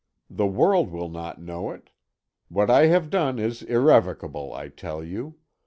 The world will not know it. What I have done is irrevocable, I tell you.